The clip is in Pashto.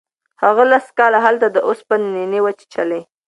هغه لس کاله هلته د اوسپنو نینې وچیچلې.